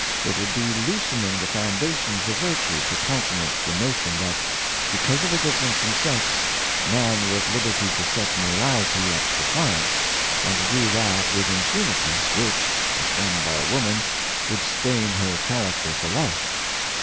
It would be loosening the foundations of vir tue to countenance the notion that, because of a differ ence in sex, man were at liberty to set morality at defi ance, and to do that with impunity which, if done by a woman, would stain her character for life.